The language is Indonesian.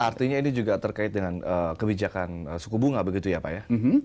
artinya ini juga terkait dengan kebijakan suku bunga begitu ya pak ya